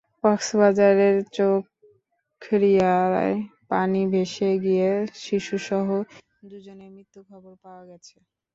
কক্সবাজারের চকরিয়ায় পানিতে ভেসে গিয়ে শিশুসহ দুজনের মৃত্যুর খবর পাওয়া গেছে।